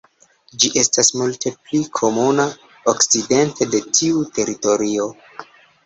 Ĝi estas multe pli komuna okcidente de tiu teritorio.